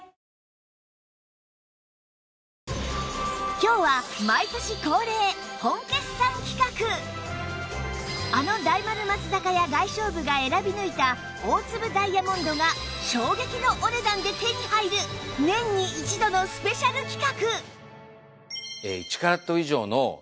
今日はあの大丸松坂屋外商部が選び抜いた大粒ダイヤモンドが衝撃のお値段で手に入る年に一度のスペシャル企画！